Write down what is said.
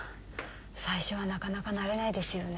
最初はなかなか慣れないですよね